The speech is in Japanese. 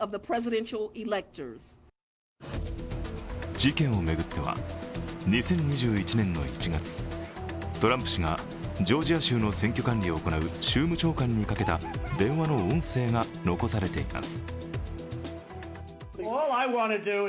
事件を巡っては２０２１年の１月、トランプ氏がジョージア州の選挙管理を行う州務長官にかけた電話の音声が残されています。